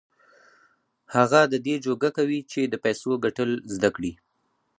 هغه د دې جوګه کوي چې د پيسو ګټل زده کړي.